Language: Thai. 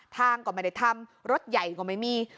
ทางก็ไม่ได้ทำรถใหญ่ก็ไม่มี